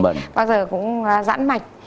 thì bao giờ cũng rãn mạch